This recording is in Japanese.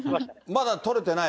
まだ捕れてない？